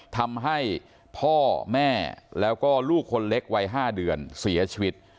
ทำให้พ่อแม่แล้วก็ลูกคนเล็กวัย๕เดือนเสียชีวิต